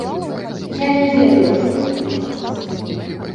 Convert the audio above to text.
Я не ведаю, што атрымаецца.